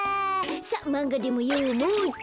さっマンガでもよもうっと！